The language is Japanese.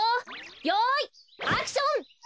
よいアクション！